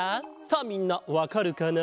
さあみんなわかるかな？